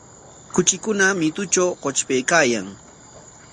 Kuchikuna mitutraw qutrpaykaayan.